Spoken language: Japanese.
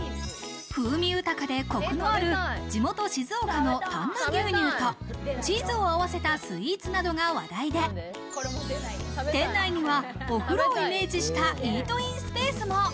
風味豊かでコクのある地元静岡の丹那牛乳とチーズを合わせたスイーツなどが話題で、店内には、お風呂をイメージしたイートインスペースも。